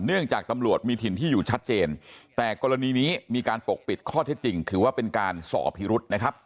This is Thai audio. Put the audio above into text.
เนื่องจากตำรวจมีถิ่นที่อยู่ชัดเจนแต่กรณีนี้มีการปกปิดข้อเท็จจริงถือว่าเป็นการสอบพิรุษนะครับ